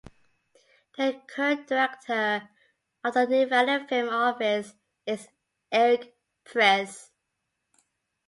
The current director of the Nevada Film Office is Eric Preiss.